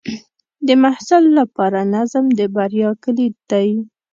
د محصل لپاره نظم د بریا کلید دی.